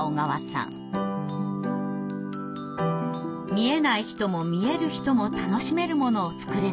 「見えない人も見える人も楽しめるものを作れないか」。